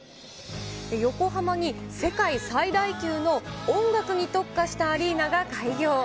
横浜に世界最大級の音楽に特化したアリーナが開業。